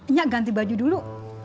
nyak ganti baju dulu